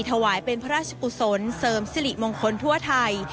ถวายเป็นพระราชกุศลเสริมสิริมงคลทั่วไทย